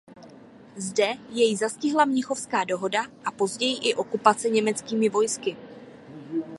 Zde jej zastihla mnichovská dohoda a později i okupace německými vojsky.